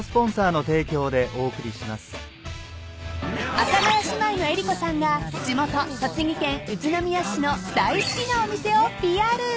［阿佐ヶ谷姉妹の江里子さんが地元栃木県宇都宮市の大好きなお店をＰＲ］